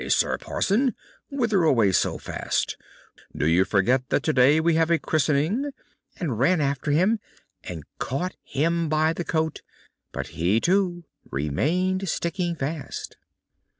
Sir Parson, whither away so fast? Do you forget that today we have a christening?" and ran after him, and caught him by the coat, but he too remained sticking fast.